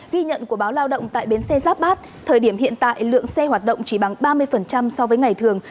ghi nhận của báo lao động tại bến xe giáp bát thời điểm hiện tại lượng xe hoạt động chỉ bằng ba mươi so với ngày thường